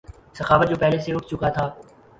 سخاوت جو پہلے سے اٹھ چکا تھا